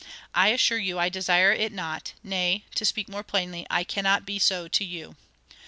I assure you I desire it not; nay, to speak more plainly, I cannot be so to you.